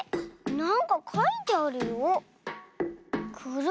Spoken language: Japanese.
なんかかいてあるよ。